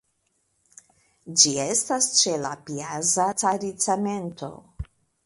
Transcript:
Ĝi estas ĉe la Piazza Caricamento.